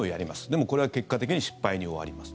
でもこれは結果的に失敗に終わります。